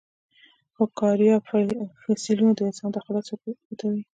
خو د کارایب فسیلونه د انسان دخالت ثابتوي.